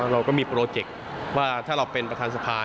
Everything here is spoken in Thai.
เราก็มีโปรเจคว่าถ้าเราเป็นประธานสภา